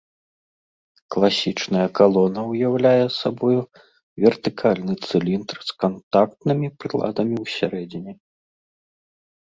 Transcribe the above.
Класічная калона ўяўляе сабою вертыкальны цыліндр з кантактнымі прыладамі ўсярэдзіне.